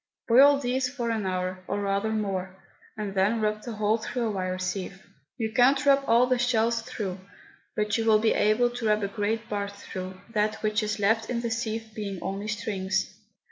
Boil these for an hour, or rather more, and then rub the whole through a wire sieve. You cannot rub all the shells through; but you will be able to rub a great part through, that which is left in the sieve being only strings.